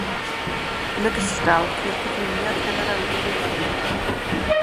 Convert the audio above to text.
Yn ogystal, ceir cyflwyniad gan yr awdur ei hun.